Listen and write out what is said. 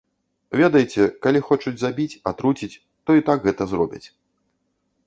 Ведаеце, калі хочуць забіць, атруціць, то і так гэта зробяць.